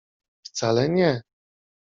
Wcale nie.